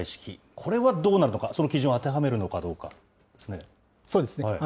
これはどうなるのか、その基準を当てはめるのかどうかですね。